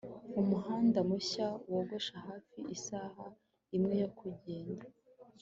Umuhanda mushya wogosha hafi isaha imwe yo kugenda